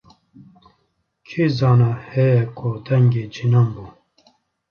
Kî zane heye ko dengê cinan bû.